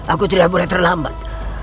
aku tidak boleh terlambat